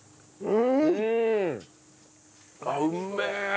うん。